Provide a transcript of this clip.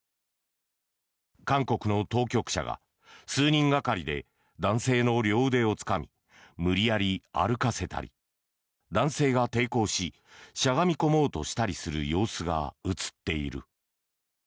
韓国の当局者が数人がかりで男性の両腕をつかみ無理やり歩かせたり男性が抵抗ししゃがみ込もうとしたりする様子が写っている。